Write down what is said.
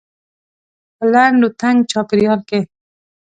په لنډ و تنګ چاپيریال کې.